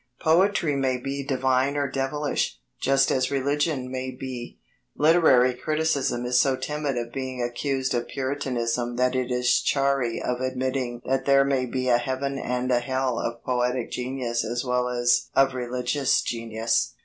Poetry may be divine or devilish, just as religion may be. Literary criticism is so timid of being accused of Puritanism that it is chary of admitting that there may be a Heaven and a Hell of poetic genius as well as of religious genius.